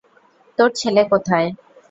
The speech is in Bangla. তোর ছেলে কোথায়?